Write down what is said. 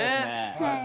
はい。